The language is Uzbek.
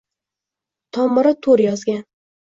Tomiri toʻr yozgan